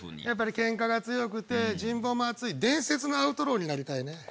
やっぱりケンカが強くて人望も厚い伝説のアウトローになりたいね。